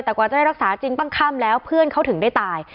แต่กว่าจะได้รักษาจริงตั้งค่ำแล้วเพื่อนเขาถึงได้ตาย